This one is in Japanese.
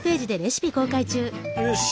よし！